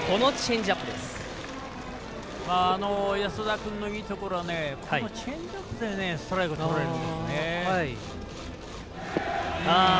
安田君のいいところはこのチェンジアップでストライクがとれるんですね。